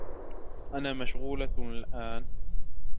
أنا مشغولة الأن.